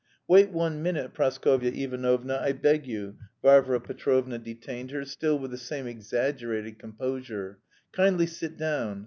"Wait one minute, Praskovya Ivanovna, I beg you." Varvara Petrovna detained her, still with the same exaggerated composure. "Kindly sit down.